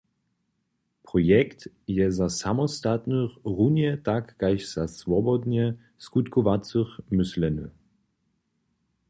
Projekt je za samostatnych runje tak kaž za swobodnje skutkowacych mysleny.